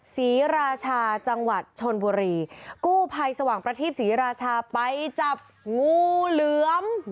ศรีราชาจังหวัดชนบุรีกู้ภัยสว่างประทีปศรีราชาไปจับงูเหลือม